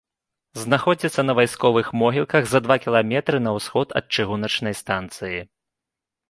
Знаходзіцца на вайсковых могілках, за два кіламетры на ўсход ад чыгуначнай станцыі.